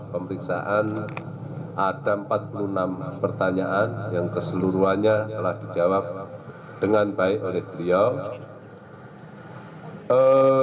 pemeriksaan ada empat puluh enam pertanyaan yang keseluruhannya telah dijawab dengan baik oleh beliau